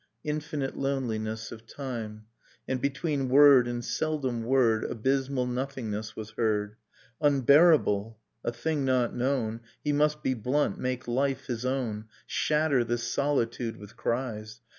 Infinite loneliness of time; And between word and seldom word Abysmal nothingness was heard ... Unbearable! A thing not known. He must be blunt, make life his own, Shatter this solitude with cries.